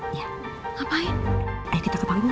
saya persilahkan naik ke atas panggung